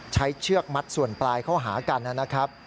เชือกมัดส่วนปลายเข้าหากันนะครับ